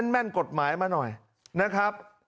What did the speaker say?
แม่นกฎหมายมาหน่อยนะครับ